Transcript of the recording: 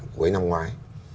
cuối năm ngoái